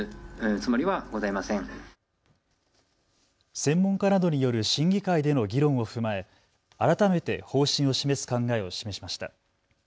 専門家などによる審議会での議論を踏まえ改めて方針を示す考えを示しました。